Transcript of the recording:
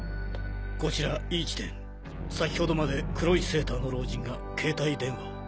こちらＥ地点先ほどまで黒いセーターの老人が携帯電話を。